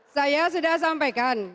saya sudah sampaikan